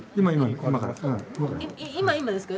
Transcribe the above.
今今ですか？